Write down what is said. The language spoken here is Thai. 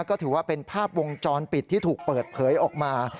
ก็ถือว่าเป็นภาพวงจรปิดที่ถูกเปิดเผยออกมา